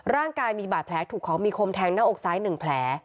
ร่างกายมีบาดแผลถูกของมีคมแทงหน้าอกซ้าย๑แผล